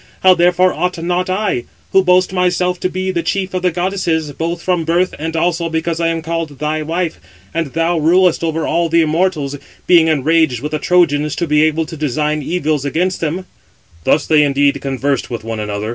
How therefore ought not I, who boast myself to be chief of the goddesses, both from birth and also because I am called thy wife (and thou rulest over all the immortals), being enraged with the Trojans, to [be able to] design evils against them." Thus indeed they conversed with one another.